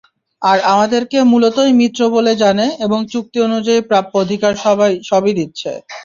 তারা আমাদেরকে মূলতই মিত্র বলে জানে এবং চুক্তি অনুযায়ী প্রাপ্য অধিকার সবই দিচ্ছে।